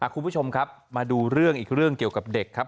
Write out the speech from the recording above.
คุณผู้ชมครับมาดูเรื่องอีกเรื่องเกี่ยวกับเด็กครับ